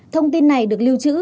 thông tin này được lưu trữ